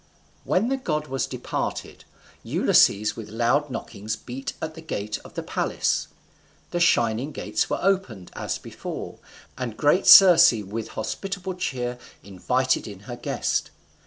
When the god was departed, Ulysses with loud knockings beat at the gate of the palace. The shining gates were opened, as before, and great Circe with hospitable cheer invited in her guest.